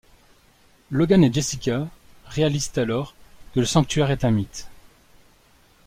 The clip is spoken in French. Logan et Jessica réalisent alors que le Sanctuaire est un mythe.